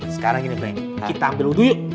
sekarang ini pleng kita ambil udu yuk